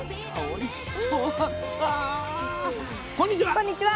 こんにちは。